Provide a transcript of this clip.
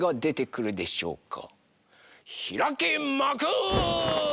ひらけまく！